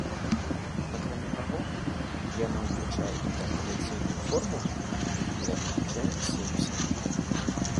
Акрамя таго, яна ўключае інтэрпаляцыйную формулу для вылічэння сінусам.